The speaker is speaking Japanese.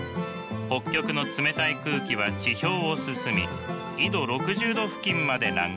北極の冷たい空気は地表を進み緯度６０度付近まで南下。